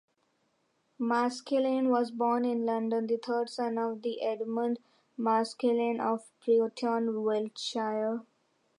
Maskelyne was born in London, the third son of Edmund Maskelyne of Purton, Wiltshire.